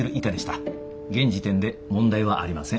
現時点で問題はありません。